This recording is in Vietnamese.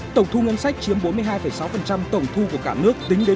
tổng thu ngân sách chiếm bốn mươi hai sáu tổng thu